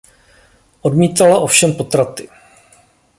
Odmítala ovšem potraty.